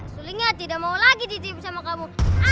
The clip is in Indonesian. sulingnya tidak mau lagi ditiup sama kamu